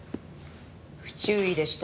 不注意でした。